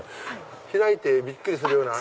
開いてびっくりするような。